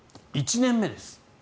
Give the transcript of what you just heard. １年目です。